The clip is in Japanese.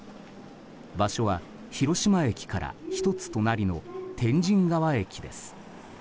場所は広島駅から１つ隣の天神川駅です。